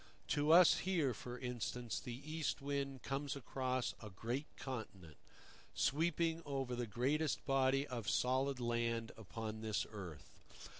To us here, for instance, the East Wind comes across a great continent, sweeping over the greatest body of solid land upon this earth.